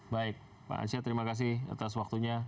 baik pak ansyah terima kasih atas waktunya